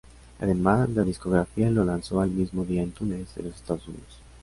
Además, la discográfica lo lanzó el mismo día en iTunes de los Estados Unidos.